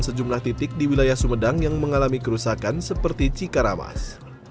sejumlah titik di wilayah sumedang yang mengalami kerusakan seperti cikaramas